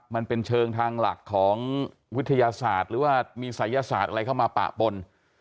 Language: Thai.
มันเป็นเชิงทางหลักของวิทยาศาสตร์หรือว่ามีศัยศาสตร์อะไรเข้ามาปะปน